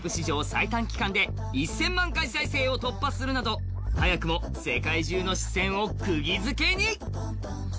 最短で１０００万回再生突破するなど早くも世界中の視線をクギづけに。